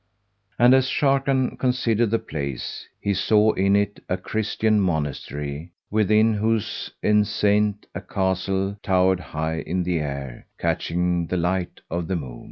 And as Sharrkan considered the place, he saw in it a Christian Monastery within whose enceinte a castle towered high in air catching the light of the moon.